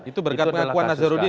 itu berkat dakwa nazaruddin ya